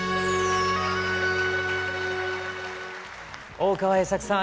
大川栄策さん